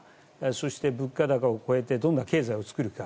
そして、物価高を超えてどんな経済を作るか。